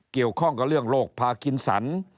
เกี่ยวข้องกับเรื่องโรคพากินสัน